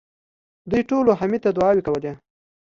دوی ټولو حميد ته دعاوې کولې.